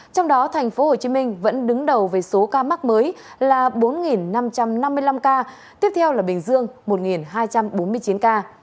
trong đó tp hcm vẫn đứng đầu về số ca mắc mới là bốn năm trăm năm mươi năm ca tiếp theo là bình dương một hai trăm bốn mươi chín ca